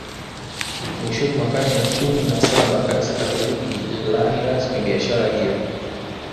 Mwishoni mwa karne ya kumi na Saba Kanisa Katoliki lililaani rasmi biashara hiyo